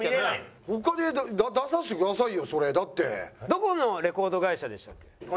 どこのレコード会社でしたっけ？